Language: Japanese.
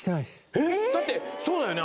えっ？だってそうだよね。